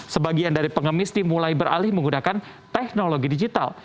sebagian dari pengemis dimulai beralih menggunakan teknologi digital